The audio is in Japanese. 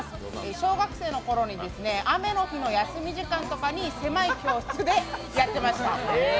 小学生の頃に雨の日の休み時間とかに狭い教室でやってました。